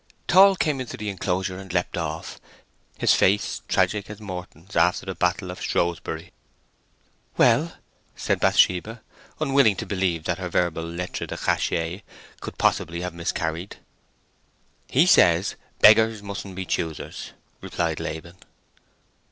Tall came into the inclosure, and leapt off, his face tragic as Morton's after the battle of Shrewsbury. "Well?" said Bathsheba, unwilling to believe that her verbal lettre de cachet could possibly have miscarried. "He says beggars mustn't be choosers," replied Laban.